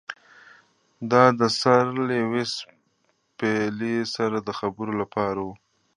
دا د سر لیویس پیلي سره د خبرو لپاره وو.